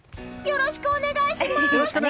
よろしくお願いします！